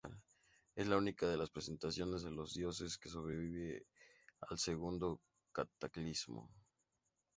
Es la única de las representaciones de los dioses que sobrevive al segundo cataclismo.